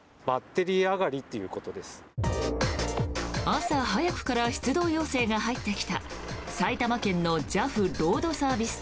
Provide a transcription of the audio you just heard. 朝早くから出動要請が入ってきた埼玉県のＪＡＦロードサービス